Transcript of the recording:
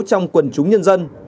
trong quần chúng nhân dân